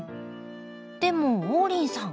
でも王林さん